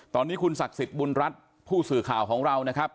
ตอนนี้คุณศักดิ์สิทธิ์บุญรัฐผู้สื่อข่าวของเรานะครับ